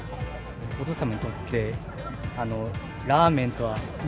お父さんにとって、ラーメンとは？